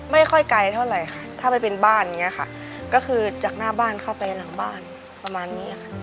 ไม่ค่อยไกลเท่าไหร่ค่ะถ้าไปเป็นบ้านอย่างนี้ค่ะก็คือจากหน้าบ้านเข้าไปหลังบ้านประมาณนี้ค่ะ